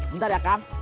bentar ya kang